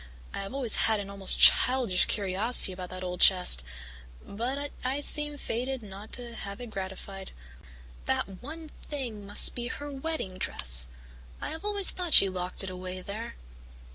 I have always had an almost childish curiosity about that old chest, but I seem fated not to have it gratified. That 'one thing' must be her wedding dress. I have always thought that she locked it away there."